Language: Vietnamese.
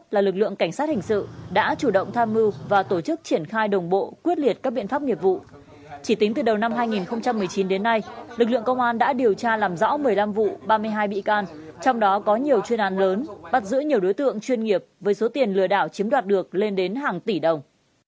là lực lượng cảnh sát hình sự đã chủ động tham mưu và tổ chức triển khai đồng bộ quyết liệt các biện pháp nghiệp vụ chỉ tính từ đầu năm hai nghìn một mươi chín đến nay lực lượng công an đã điều tra làm rõ một mươi năm vụ ba mươi hai bị can trong đó có nhiều chuyên án lớn bắt giữ nhiều đối tượng chuyên nghiệp với số tiền lừa đảo chiếm đoạt được lên đến hàng tỷ đồng